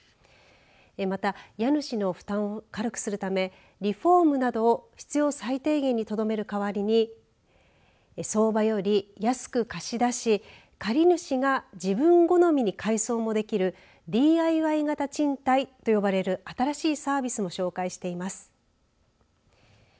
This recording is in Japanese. また家主の負担を軽くするためリフォームなどを必要最低限にとどめる代わりに相場より安く貸し出し借り主が自分好みに改装もできるＤＩＹ型賃貸と呼ばれる新しいサービスも紹介しています。